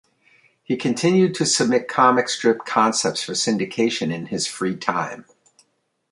He continued to submit comic strip concepts for syndication in his free time.